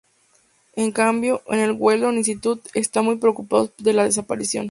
En cambio, en el Weldon Institute están muy preocupados de la desaparición.